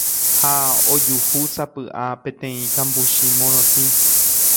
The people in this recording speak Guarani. ha ojuhúsapy'a peteĩ kambuchi morotĩ